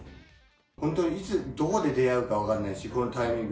本当にいつどこで出会うか分かんないし、このタイミング。